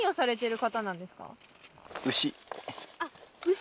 牛？